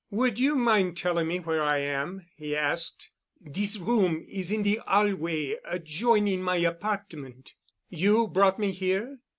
"Would you mind telling me where I am?" he asked. "Dis room is in de hallway adjoining my apartment——" "You brought me here——?"